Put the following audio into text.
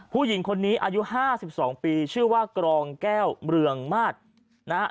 ผู้หญิงคนนี้อายุ๕๒ปีชื่อว่ากรองแก้วเรืองมาตรนะฮะ